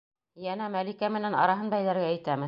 Йәнә Мәликә менән араһын бәйләргә итәме?